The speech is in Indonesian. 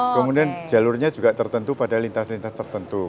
kemudian jalurnya juga tertentu pada lintas lintas tertentu